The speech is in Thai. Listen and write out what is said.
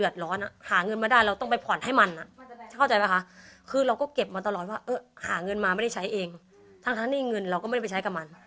ทั้งที่เงินเราก็ไม่ได้ไปใช้กับมัน